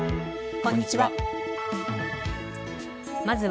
こんにちは。